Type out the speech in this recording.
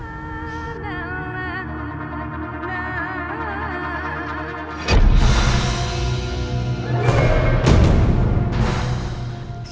aku akan menangis